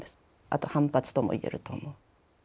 あと反発とも言えると思う。